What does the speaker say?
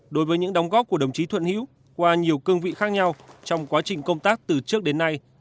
đối với những đóng góp của đồng chí thuận hữu qua nhiều cương vị khác nhau trong quá trình công tác từ trước đến nay